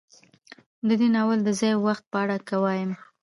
د دې ناول د ځاى او وخت په اړه که وايم